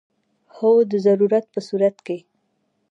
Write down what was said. هو، د ضرورت په صورت کې